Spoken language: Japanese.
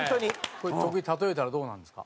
これ徳井例えたらどうなるんですか？